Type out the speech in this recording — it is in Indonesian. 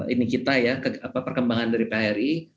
ini kita ya perkembangan dari phri